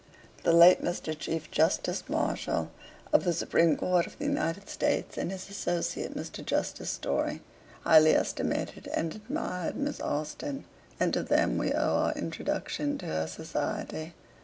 The late Mr. Chief Justice Marshall, of the supreme Court of the United States, and his associate Mr. Justice Story, highly estimated and admired Miss Austen, and to them we owe our introduction to her society.